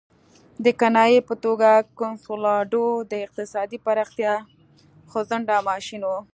د کنایې په توګه کنسولاډو د اقتصادي پراختیا خوځنده ماشین وو.